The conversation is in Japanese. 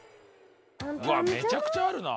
うわめちゃくちゃあるな。